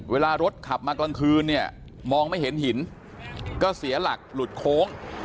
เวลารถขับมากลางคืนเนี่ยมองไม่เห็นหินก็เสียหลักหลุดโค้ง